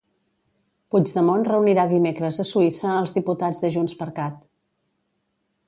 Puigdemont reunirà dimecres a Suïssa els diputats de JxCat.